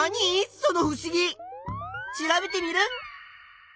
そのふしぎ！調べテミルン！